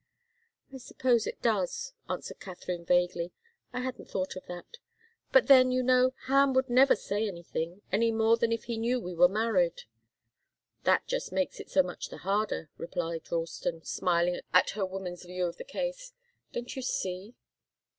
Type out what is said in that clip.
"I suppose it does," answered Katharine, vaguely. "I hadn't thought of that. But then, you know, Ham would never say anything, any more than if he knew we were married." "That just makes it so much the harder," replied Ralston, smiling at her woman's view of the case. "Don't you see?"